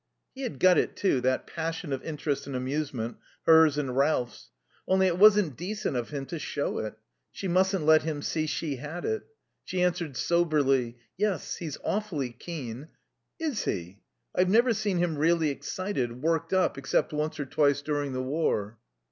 He had got it too, that passion of interest and amusement, hers and Ralph's. Only it wasn't decent of him to show it; she mustn't let him see she had it. She answered soberly: "Yes, he's awfully keen." "Is he? I've never seen him really excited, worked up, except once or twice during the war."